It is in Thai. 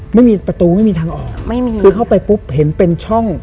ไม่มีประตูไม่มีทางออกไม่มีเลยคือเข้าไปปุ๊บเห็นเป็นช่อง